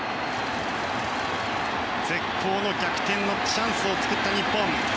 絶好の逆転のチャンスを作った日本。